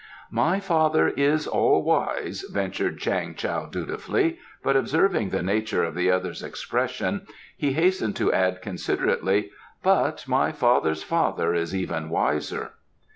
"My father is all wise," ventured Chang Tao dutifully, but observing the nature of the other's expression he hastened to add considerately, "but my father's father is even wiser."